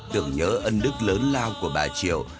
tưởng nhớ ân đức lớn lao của bà triệu